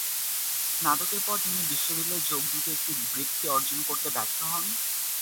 স্নাতকের পর তিনি বিশ্ববিদ্যালয়ে যোগ দিতে একটি বৃত্তি অর্জন করতে ব্যর্থ হন।